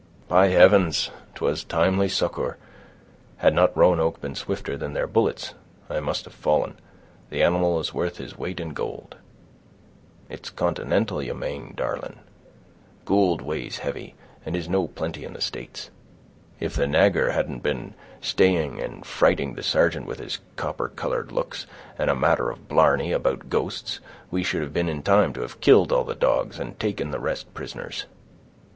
"By heavens, 'twas timely succor! Had not Roanoke been swifter than their bullets, I must have fallen. The animal is worth his weight in gold." "It's continental, you mane, darling. Goold weighs heavy, and is no plenty in the states. If the nagur hadn't been staying and frighting the sargeant with his copper colored looks, and a matter of blarney 'bout ghosts, we should have been in time to have killed all the dogs, and taken the rest prisoners."